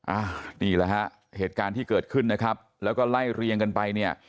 อ่ะนี่แหละฮะเหตุการณ์ที่เกิดขึ้นนะครับแล้วก็ไล่เรียงกันไปเนี่ย